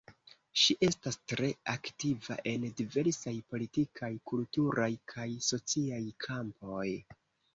Ŝi estas tre aktiva en diversaj politikaj, kulturaj kaj sociaj kampoj.